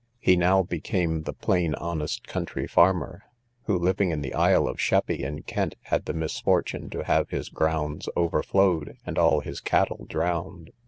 He now became the plain honest country farmer, who, living in the Isle of Sheppy, in Kent, had the misfortune to have his grounds overflowed, and all his cattle drowned.